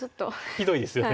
ひどいですよね。